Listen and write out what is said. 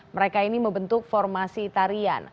mereka ini membentuk formasi tarian